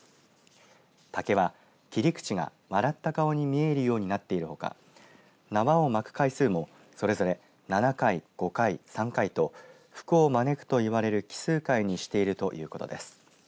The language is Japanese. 竹は切り口が笑った顔に見えるようになっているほか縄を巻く回数もそれぞれ７回、５回、３回と福を招くといわれる奇数回にしているということです。